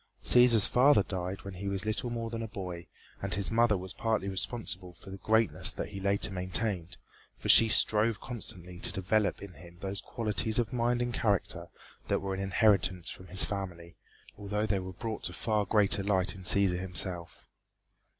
Cæsar's father died when he was little more than a boy and his mother was partly responsible for the greatness that he later maintained, for she strove constantly to develop in him those qualities of mind and character that were an inheritance from his family, although they were brought to far greater light in Cæsar himself.